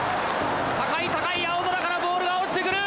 高い高い青空からボールが落ちてくる！